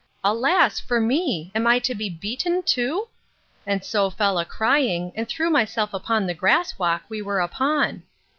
—Alas! for me! am I to be beaten too? And so fell a crying, and threw myself upon the grass walk we were upon.